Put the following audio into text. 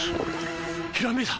ひらめいた！